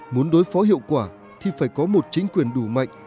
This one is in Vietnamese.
muốn đối phó hiệu quả thì phải có một chính quyền đủ mạnh